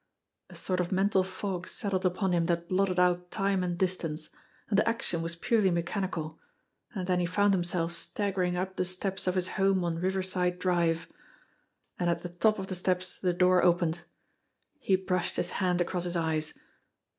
A sort of mental fog settled upon him that blotted out time and distance; and action was purely mechanical and then he found himself staggering up the steps of his home on Riverside Drive. And at the top of the steps the door opened. He brushed his hand across his eyes.